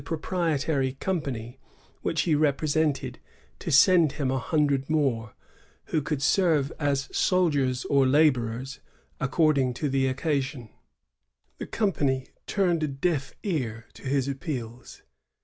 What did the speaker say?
176 company which he represented to send him a hundred more, who could serve as soldiers or laborers, accord ing to the occasion. The company turned a deaf ear to his appeals.